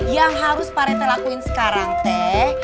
yang harus pareta lakuin sekarang teh